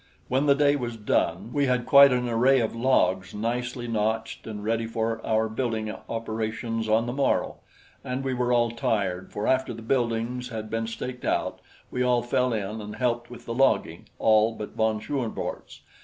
When the day was done, we had quite an array of logs nicely notched and ready for our building operations on the morrow, and we were all tired, for after the buildings had been staked out we all fell in and helped with the logging all but von Schoenvorts.